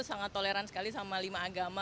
sangat toleran sekali sama lima agama